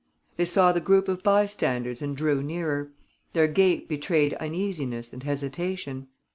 They saw the groups of bystanders and drew nearer. Their gait betrayed uneasiness and hesitation.